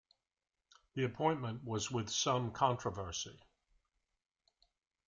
The appointment was with some controversy.